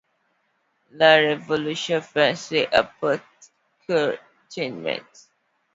La Révolution française apporte quelques changements.